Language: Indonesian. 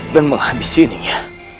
dan menghabis sininya